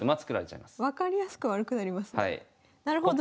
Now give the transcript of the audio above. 分かりやすく悪くなりますね。